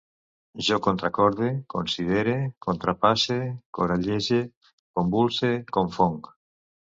Jo contracorde, considere, contrapasse, corallege, convulse, corfonc